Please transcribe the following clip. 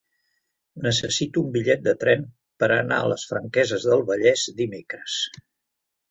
Necessito un bitllet de tren per anar a les Franqueses del Vallès dimecres.